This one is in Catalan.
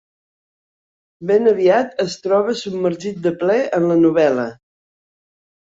Ben aviat es troba submergit de ple en la novel·la.